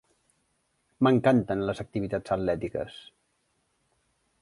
M'encanten les activitats atlètiques.